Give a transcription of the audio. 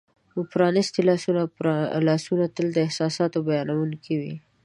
پرانیستي لاسونه : لاسونه تل د احساساتو بیانونکي وي.